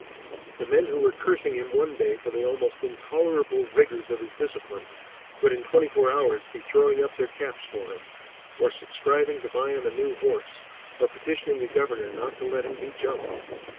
The men who were cursing him one day for the almost intolerable rigors of his discipline, would in twenty four hours be throwing up their caps for him, or subscribing to buy him a new horse, or petitioning the Governor not to let him be jumped.